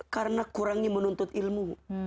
karena kurangnya menuntut ilmu